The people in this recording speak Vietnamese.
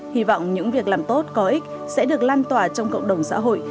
hy vọng những việc làm tốt có ích sẽ được lan tỏa trong cộng đồng xã hội